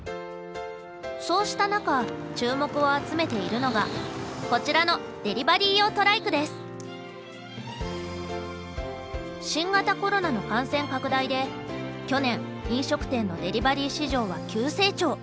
そうした中注目を集めているのがこちらの新型コロナの感染拡大で去年飲食店のデリバリー市場は急成長。